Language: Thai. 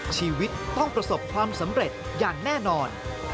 ชีวิตต้องประสบความสำเร็จอย่างแน่นอน